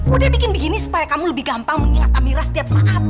udah bikin begini supaya kamu lebih gampang mengingat amira setiap saat